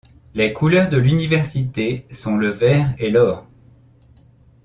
Les couleurs de l'université sont le vert et l'or.